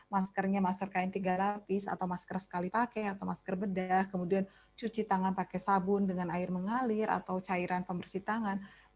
maskernya masker kain tiga lapis atau masker sekali pakai atau masker bedah kemudian cuci tangan pakai sabun dengan air mengalir atau cairan pembersih tangan